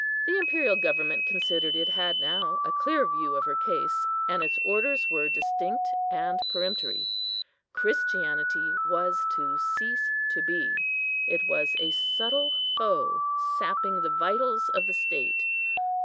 The imperial government considered it had now a clear view of her case, and its orders were distinct and peremptory. Christianity was to cease to be. It was a subtle foe, sapping the vitals of the state.